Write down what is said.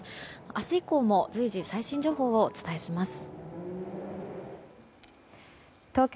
明日以降も随時、最新情報をお伝えします。